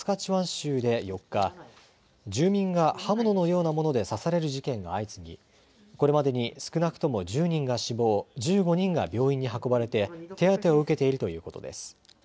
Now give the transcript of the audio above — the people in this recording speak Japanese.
州で４日、住民が刃物のようなもので刺される事件が相次ぎこれまでに少なくとも１０人が死亡、１５人が病院に運ばれて手当てを受けているということです。